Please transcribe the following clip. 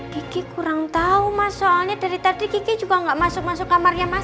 kiki kurang tau mas soalnya dari tadi kiki juga gak masuk masuk kamarnya mas